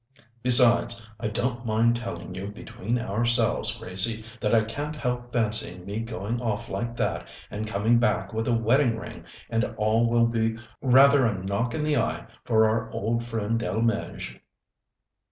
Besides, I don't mind telling you between ourselves, Gracie, that I can't help fancying me going off like that and coming back with a wedding ring and all will be rather a knock in the eye for our old friend Delmege."